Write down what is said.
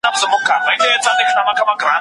زه به نه یم ته به یې باغ به سمسور وي